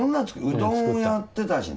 うどんやってたしな。